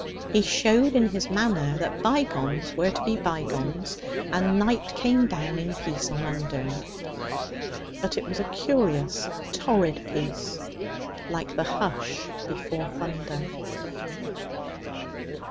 He showed in his manner that bygones were to be bygones, and night came down in peace on Undern. But it was a curious, torrid peace, like the hush before thunder.